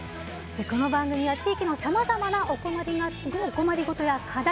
この番組は地域のさまざまなお困りごとや課題